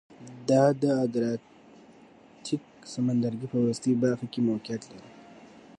دا د ادریاتیک سمندرګي په وروستۍ برخه کې موقعیت لري